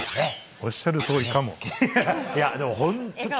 おっしゃるとおりかも。